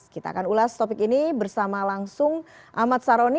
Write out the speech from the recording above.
kita akan ulas topik ini bersama langsung ahmad saroni